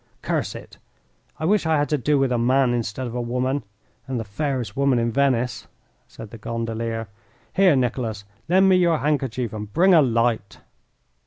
"Curse it, I wish I had to do with a man instead of a woman, and the fairest woman in Venice," said the gondolier. "Here, Nicholas, lend me your handkerchief and bring a light."